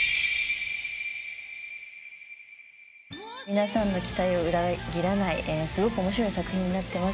皆さんの期待を裏切らないすごく面白い作品になってます。